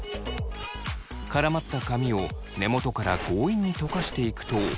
絡まった髪を根元から強引にとかしていくと。